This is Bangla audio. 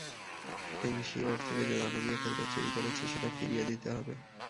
ফেংশি ওর থেকে যে দানবীয় ক্ষেত্র চুরি করেছে, সেটা ফিরিয়ে দিতে হবে।